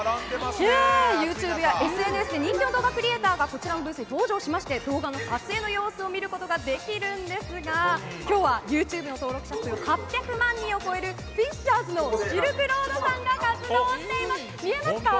ＹｏｕＴｕｂｅやＳＮＳで人気の動画クリエーターがこちらのブースに登場しまして動画の撮影の様子を見ることができるんですが今日はＹｏｕＴｕｂｅの登録者数８００万人を超えるフィッシャーズのシルクロードさんが活動しています。